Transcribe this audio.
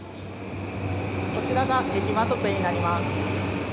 こちらがエキマトペになります。